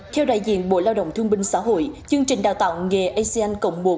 theo đại diện bộ lao động thương binh xã hội chương trình đào tạo nghề asean cộng một